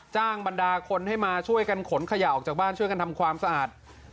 บรรดาคนให้มาช่วยกันขนขยะออกจากบ้านช่วยกันทำความสะอาด